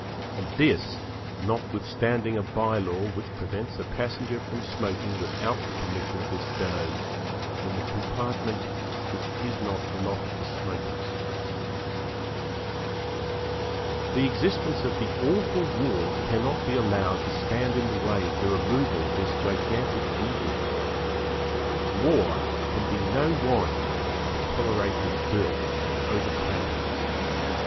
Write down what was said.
And this, notwithstanding a bye law which prevents a passenger from smoking without the permission of his fellows in the compartment which is not allotted to smokers. The existence of the awful war cannot be allowed to stand in the way of the removal of this gigantic evil. War can be no warrant for tolerating dirt and overcrowding.